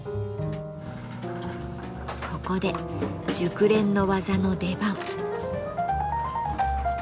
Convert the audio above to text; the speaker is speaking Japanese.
ここで熟練の技の出番。